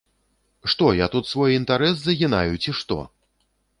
Што я тут свой інтэрас загінаю, ці што?